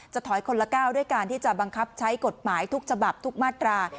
ถอยคนละก้าวด้วยการที่จะบังคับใช้กฎหมายทุกฉบับทุกมาตรา